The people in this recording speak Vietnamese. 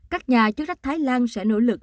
các nhà chức trách thái lan sẽ nỗ lực